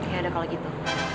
ya udah kalau gitu